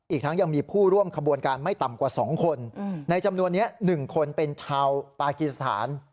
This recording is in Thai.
อีกทั้งยังมีผู้ร่วมขบวนการไม่ต่ำกว่า๒คนในจำนวนนี้๑คนเป็นชาวปากีสถาน